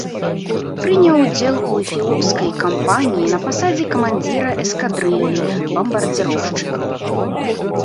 Прыняў удзел у эфіопскай кампаніі на пасадзе камандзіра эскадрыллі бамбардзіроўшчыкаў.